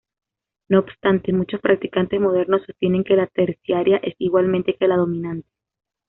No obstante, muchos practicantes modernos sostienen que la Terciaria es igual que la Dominante.